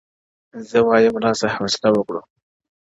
• زه وايم راسه حوصله وكړو،